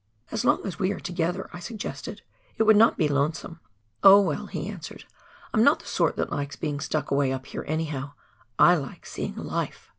"As long as we are together," I suggested, "it would not be lonesome." " Oh, well," he answered, "I'm not the sort that likes being stuck away up here anyhow —/ like seeing life."